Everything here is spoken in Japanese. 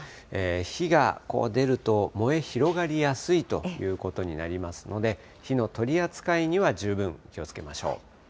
火が出ると、燃え広がりやすいということになりますので、火の取り扱いには十分気をつけましょう。